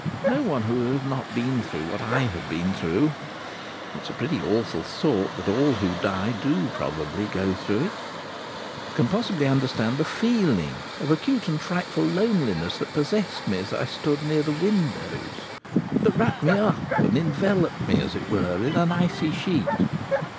No one who has not been through what I have been through it is a pretty awful thought that all who die do probably go through it can possibly understand the feeling of acute and frightful loneliness that possessed me as I stood near the windows, that wrapped me up and enveloped me, as it were, in an icy sheet.